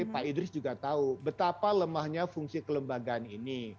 pak idris juga tahu betapa lemahnya fungsi kelembagaan ini